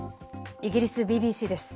イギリスＢＢＣです。